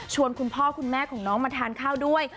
คุณพ่อคุณแม่ของน้องมาทานข้าวด้วย